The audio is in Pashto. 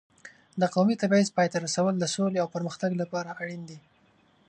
د قومي تبعیض پای ته رسول د سولې او پرمختګ لپاره اړین دي.